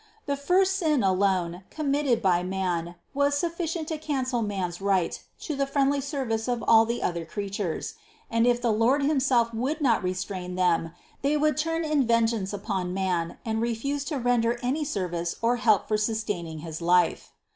The first sin alone, committed by man, was sufficient to cancel man's right to the friendly service of all the other creatures; and if the Lord himself would not restrain them, they would turn in vengeance upon man and refuse to render any service or help for sustaining his life.